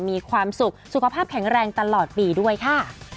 มีความสุขสุขภาพแข็งแรงตลอดปีด้วยค่ะ